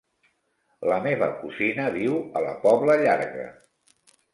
La meva cosina viu a la Pobla Llarga.